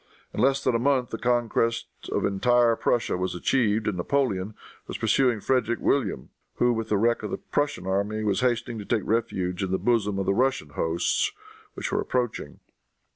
In less than a month the conquest of entire Prussia was achieved, and Napoleon was pursuing Frederic William, who, with the wreck of the Prussian army was hastening to take refuge in the bosom of the Russian hosts which were approaching.